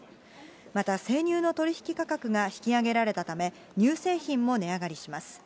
また、生乳の取り引き価格が引き上げられたため、乳製品も値上がりします。